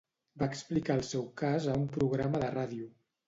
Va explicar el seu cas a un programa de ràdio.